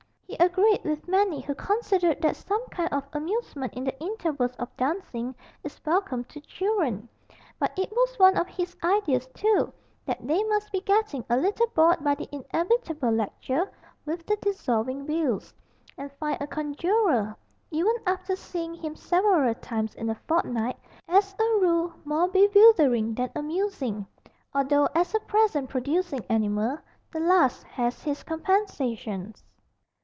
He agreed with many who consider that some kind of amusement in the intervals of dancing is welcome to children; but it was one of his ideas too that they must be getting a little bored by the inevitable lecture with the dissolving views, and find a conjuror (even after seeing him several times in a fortnight) as a rule more bewildering than amusing; although as a present producing animal, the last has his compensations.